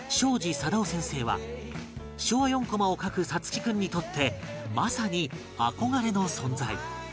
さだお先生は昭和４コマを描く颯喜君にとってまさに憧れの存在